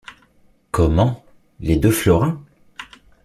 Comment. .. les deux florins ?...